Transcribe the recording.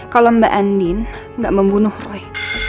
kalau mbak andin tidak membunuh roy